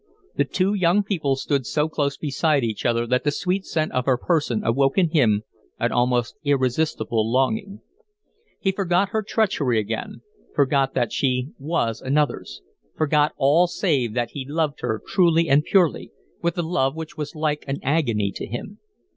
The two young people stood so close beside each other that the sweet scent of her person awoke in him an almost irresistible longing. He forgot her treachery again, forgot that she was another's, forgot all save that he loved her truly and purely, with a love which was like an agony to him.